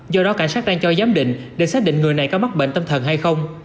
do đó cảnh sát đang cho giám định để xác định người này có mắc bệnh tâm thần hay không